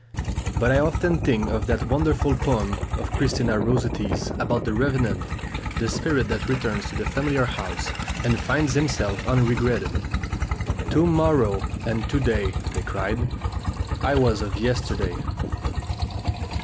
But I often think of that wonderful poem of Christina Rossetti's about the revenant, the spirit that returns to the familiar house, and finds himself unregretted: "'To morrow' and 'to day,' they cried; I was of yesterday!"